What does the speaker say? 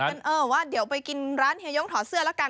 เออว่าเดี๋ยวไปกินร้านเฮียยงถอดเสื้อแล้วกัน